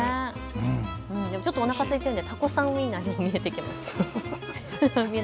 ちょっとおなかがすいているのでタコさんウインナーに見えてきました。